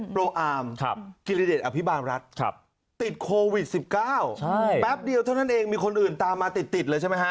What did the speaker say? โปรอาร์มกิรเดชอภิบาลรัฐติดโควิด๑๙แป๊บเดียวเท่านั้นเองมีคนอื่นตามมาติดเลยใช่ไหมฮะ